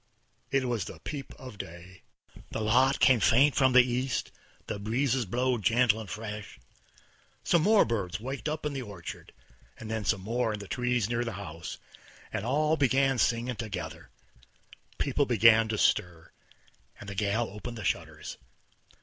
It was the peep of day. The light came faint from the east, the breezes blowed gentle and fresh, some more birds waked up in the orchard, then some more in the trees near the house, and all begun singin' together. People began to stir, and the gal opened the shutters.